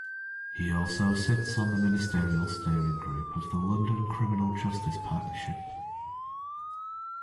He also sits on the Ministerial Steering Group of the London Criminal Justice Partnership.